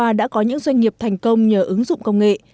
mà đã có những doanh nghiệp thành công nhờ ứng dụng công nghệ